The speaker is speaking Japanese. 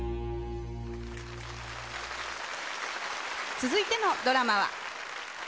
続いてのドラマは。